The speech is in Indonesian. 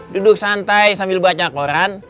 duduk santai sambil baca koran